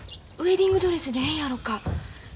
ウエディングドレスでええんやろか。